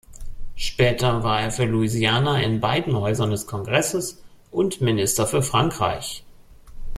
Später war er für Louisiana in beiden Häusern des Kongresses und Minister für Frankreich.